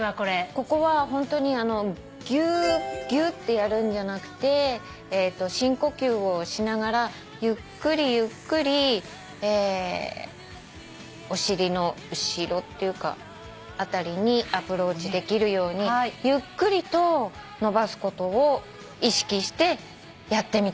ここはホントにぎゅうぎゅうってやるんじゃなくて深呼吸をしながらゆっくりゆっくりお尻の後ろというか辺りにアプローチできるようにゆっくりと伸ばすことを意識してやってみてください。